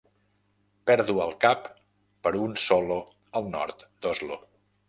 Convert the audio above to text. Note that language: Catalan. Perdo el cap per un solo al nord d'Oslo.